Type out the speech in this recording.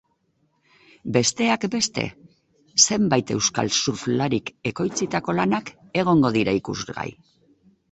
Besteak beste, zenbait euskal surflarik ekoitzitako lanak egongo dira ikusgai.